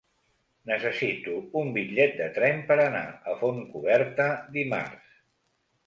Necessito un bitllet de tren per anar a Fontcoberta dimarts.